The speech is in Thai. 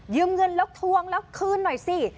เงินแล้วทวงแล้วคืนหน่อยสิ